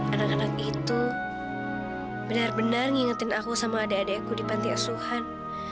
anak anak itu benar benar ngingetin aku sama adik adikku di panti asuhan